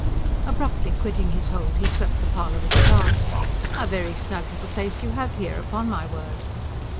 Abruptly quitting his hold, he swept the parlour with a glance. "A very snug little place you have here, upon my word!"